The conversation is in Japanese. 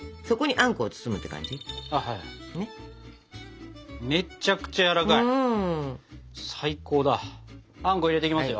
あんこ入れていきますよ。